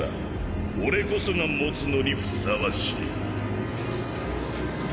俺こそが持つのにふさわしい。